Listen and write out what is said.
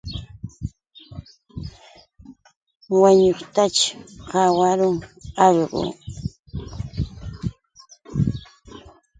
Wañuqtaćh qawarun, awllayan allqu.